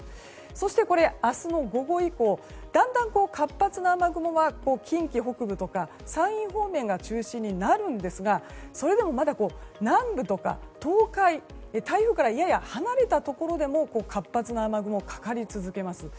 そして、明日の午後以降だんだん活発な雨雲が近畿北部とか山陰方面が中心になるんですがそれでもまだ南部とか東海台風からやや離れたところでも活発な雨雲がかかり続けます。